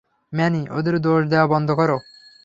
Many, ওদের দোষ দেয়া বন্ধ করো।